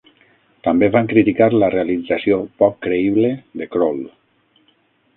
També van criticar la realització "poc creïble" de Kroll.